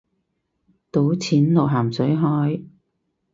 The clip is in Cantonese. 倒錢落咸水海